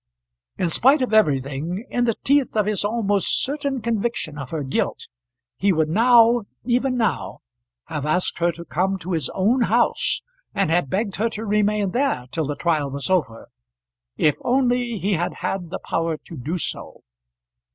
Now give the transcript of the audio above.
In spite of everything, in the teeth of his almost certain conviction of her guilt, he would now, even now, have asked her to come to his own house, and have begged her to remain there till the trial was over, if only he had had the power to do so.